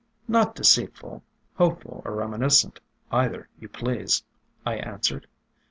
"Not deceitful, — hopeful or reminiscent, either you please," I answered.